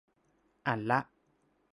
อ่านละ